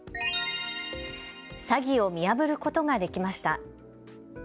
詐欺を見破ることができました。